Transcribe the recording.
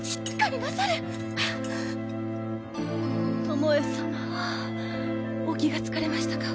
お気が付かれましたか。